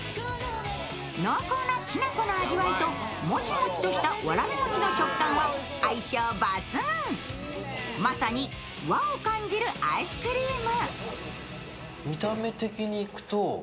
濃厚なきなこの味わいともちもちとしたわらび餅の食感は相性抜群、まさに和を感じるアイスクリーム。